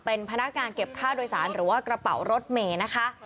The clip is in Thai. เป็นพนักงานเก็บค่าโดยสารหรือว่ากระเป๋ารถเมย์นะคะ